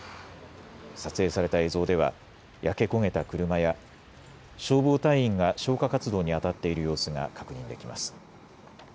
撮影された映像では焼け焦げた車や消防隊員が消火活動にあたっている様子が確認できます。